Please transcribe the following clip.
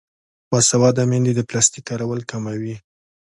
باسواده میندې د پلاستیک کارول کموي.